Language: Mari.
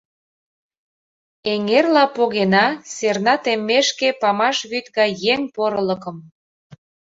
Эҥерла погена, серна теммешке памаш вӱд гай еҥ порылыкым.